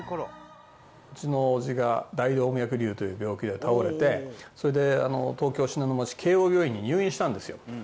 うちの叔父が大動脈瘤という病気で倒れてそれで東京信濃町慶應病院に入院したんですよ。